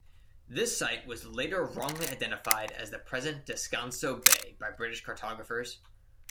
This site was later wrongly identified as the present Descanso Bay by British cartographers.